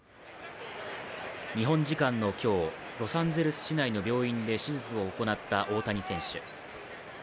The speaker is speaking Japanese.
日本時間の今日、ロサンゼルス市内の病院で手術を行った大谷選手。